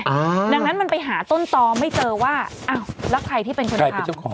ดังนั้นมันไปหาต้นตอไม่เจอว่าอ้าวแล้วใครที่เป็นคนทำ